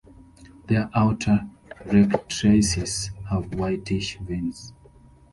Their outer rectrices have whitish vanes.